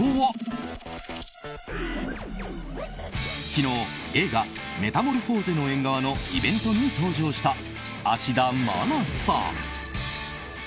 ＪＴ昨日、映画「メタモルフォーゼの縁側」のイベントに登場した芦田愛菜さん。